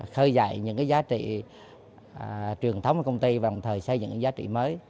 khơi dậy những giá trị truyền thống của công ty và đồng thời xây dựng những giá trị mới